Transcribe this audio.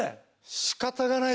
仕方がないだろ。